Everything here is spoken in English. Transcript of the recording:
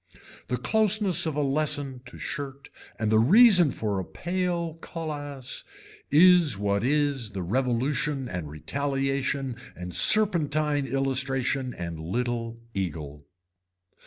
The closeness of a lesson to shirt and the reason for a pale cullass is what is the revolution and retaliation and serpentine illustration and little eagle.